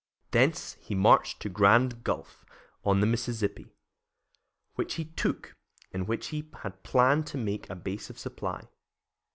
Thence he marched to Grand Gulf, on the Mississippi, which he took, and which he had planned to make a base of supply.